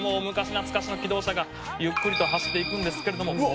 昔懐かしの気動車がゆっくりと走っていくんですけれども」